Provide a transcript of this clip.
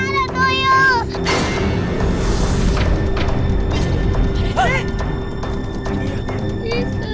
itu mami ada tuyul